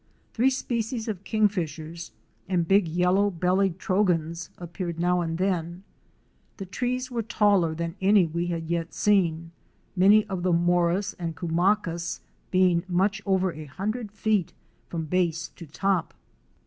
Three species of Kingfishers *" and big Yellow bellied Trogons" appeared now and then. The trees were taller than any we had yet seen, many of the moras and cumacas being much over a hundred feet from base to top.